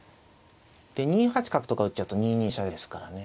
で２八角とか打っちゃうと２二飛車ですからね。